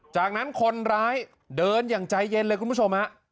จากนั้นคนร้ายเดินอย่างใจเย็นเลยคุณผู้ชมฮะ